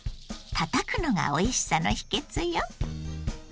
たたくのがおいしさの秘訣よ。